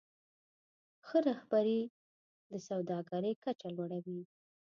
ښه رهبري د سوداګرۍ کچه لوړوي.